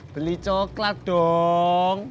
beli coklat dong